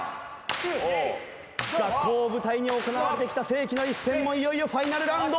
学校を舞台に行われてきた世紀の一戦もいよいよファイナルラウンド！